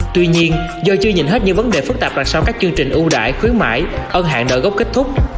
tuy nhiên do chưa nhìn hết những vấn đề phức tạp là sau các chương trình ưu đãi khuyến mãi ân hạn nợ gốc kết thúc